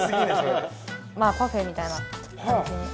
まあパフェみたいなかんじに。